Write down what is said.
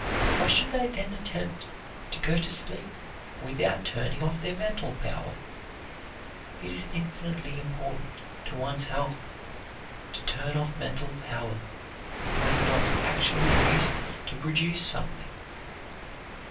Why should they then attempt to go to sleep without turning off their mental power? It is infinitely important to one's health to turn off mental power when not actually using it to produce something.